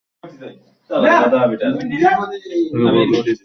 তাতে প্রাকৃতিক ইতিহাস সম্পর্কিত বিভিন্ন দ্রব্য বিক্রয় করতেন তিনি।